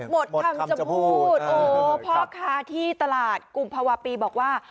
หมดคำจะพูดโอ้โหพ่อค้าที่ตลาดกุมภาวะปีบอกว่า